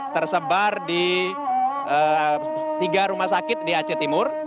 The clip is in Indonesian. tersebar di tiga rumah sakit di aceh timur